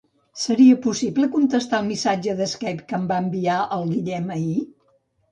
Seria possible contestar el missatge de Skype que em va enviar el Guillem ahir?